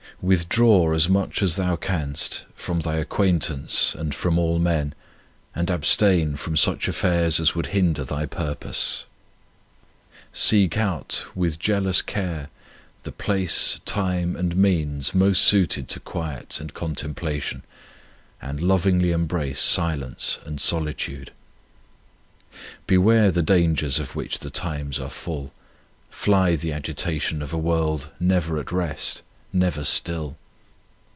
Withdraw as much as thou canst from thy acquaintance and from all men, and abstain from such affairs as would hinder thy purpose. 33 c On Union with God Seek out with jealous care the place, time, and means most suited to quiet and contemplation, and lovingly embrace silence and solitude. Beware the dangers of which the times are full ; fly the agitation of a world never at rest, never still.